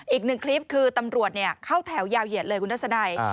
อีกหนึ่งคลิปคือตำรวจเข้าแถวยาวเหยียดเลยคุณทัศนัย